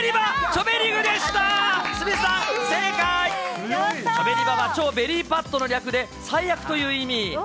チョベリバは超ベリーバッドの略で最悪という意味。